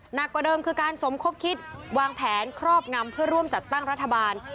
หนักกว่าเดิมคือการสมคบคิดวางแผนครอบงำเพื่อร่วมจัดตั้งรัฐบาล